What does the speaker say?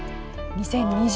２０２０。